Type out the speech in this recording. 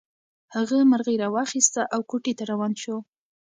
هغه مرغۍ راواخیسته او کوټې ته روان شو.